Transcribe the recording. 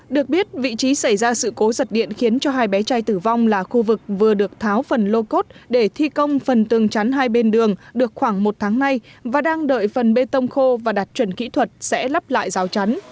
được biết vị trí xảy ra sự cố giật điện khiến cho hai bé trai tử vong là khu vực vừa được tháo phần lô cốt để thi công phần tường chắn hai bên đường được khoảng một tháng nay và đang đợi phần bê tông khô và đạt chuẩn kỹ thuật sẽ lắp lại rào chắn